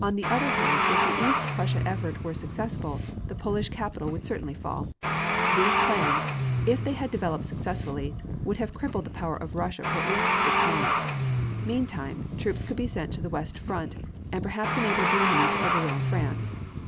On the other hand if the East Prussia effort were successful, the Polish capital would certainly fall. These plans, if they had developed successfully, would have crippled the power of Russia for at least six months. Meantime, troops could be sent to the west front, and perhaps enable Germany to overwhelm France.